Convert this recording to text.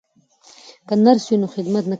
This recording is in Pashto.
که نرس وي نو خدمت نه کمیږي.